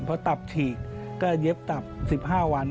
พอตับฉีกก็เย็บตับ๑๕วัน